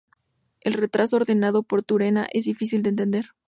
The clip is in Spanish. El retraso ordenado por Turena es difícil de entender.